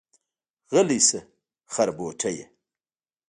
غلی شه خربوټيه.